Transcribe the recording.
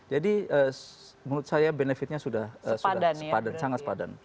jadi menurut saya benefitnya sudah sepadan sangat sepadan